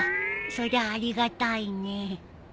そりゃありがたいね。